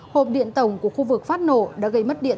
hộp điện tổng của khu vực phát nổ đã gây mất điện